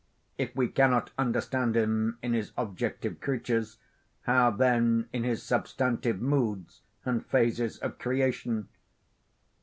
If we cannot understand him in his objective creatures, how then in his substantive moods and phases of creation?